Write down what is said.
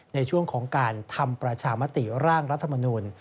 ในช่วงของการทำประชามติร่างรัฐมนุน